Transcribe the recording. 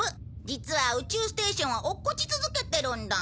実は宇宙ステーションは落っこち続けてるんだ。